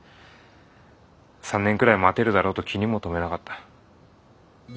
３年くらい待てるだろうと気にも留めなかった。